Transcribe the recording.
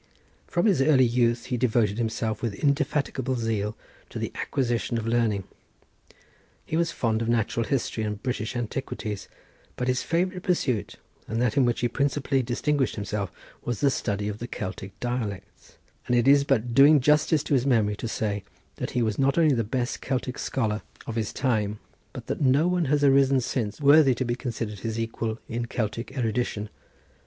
From his early youth he devoted himself with indefatigable zeal to the acquisition of learning. He was fond of natural history and British antiquities, but his favourite pursuit and that in which he principally distinguished himself was the study of the Celtic dialects; and it is but doing justice to his memory to say, that he was not only the best Celtic scholar of his time, but that no one has arisen since worthy to be considered his equal in Celtic erudition.